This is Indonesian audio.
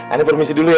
aneh permisi dulu ya